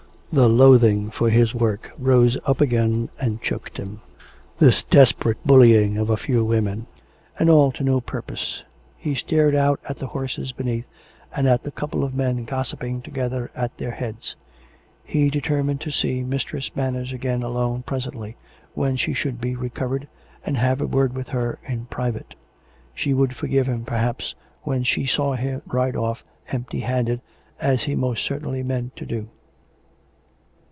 The loathing for his work rose up again and choked him — this desperate bullying of a few women ; and all to no purpose. He stared out at the horses beneath, and at the couple of men gossiping together at their heads. ... He determined to see Mistress Manners again alone presently, when she should be recovered, and have a word with her in private. She would forgive him, perhaps, when she saw him ride off empty handed, as he most certainly meant to do.